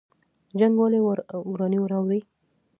جنګ ولې ورانی راوړي؟